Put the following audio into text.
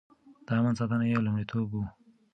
د امن ساتنه يې لومړيتوب و.